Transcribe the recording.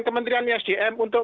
kementerian sdm untuk